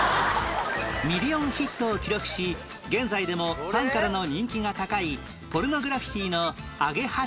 ミリオンヒットを記録し現在でもファンからの人気が高いポルノグラフィティの『アゲハ蝶』